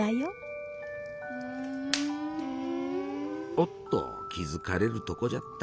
おっと気付かれるとこじゃった。